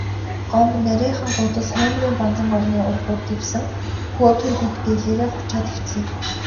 Гомбо нарийхан гудас хоймрын банзан орны урдуур дэвсэн пөөдгөр хөх дээлээрээ хучаад хэвтлээ.